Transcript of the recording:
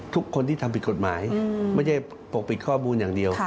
ทุกคนที่ทำผิดกฎหมายไม่ใช่ปกปิดข้อมูลอย่างเดียว